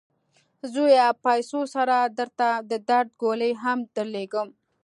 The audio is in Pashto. زویه! پیسو سره درته د درد ګولۍ هم درلیږم.